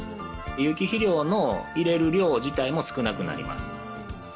有機肥料の入れる量自体も少なくなります。